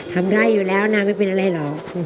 ทำร้ายอยู่แล้วนางไม่เป็นอะไรเหรอ